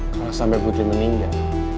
kalau sampai putri meninggal